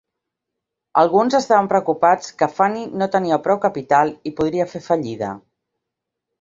Alguns estaven preocupats que Fannie no tenia prou capital i podria fer fallida.